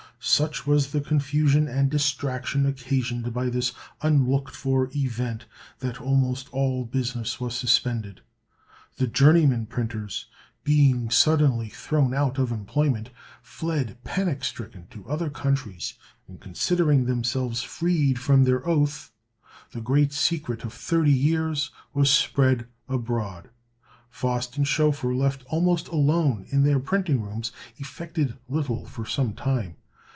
Such was the confusion and distraction occasioned by this unlooked for event, that almost all business was suspended. The journeyman printers, being suddenly thrown out of employment, fled panic stricken to other countries; and considering themselves freed from their oath, the great secret of thirty years was spread abroad. Faust and Schoeffer, left almost alone in their printing rooms, effected little for some time.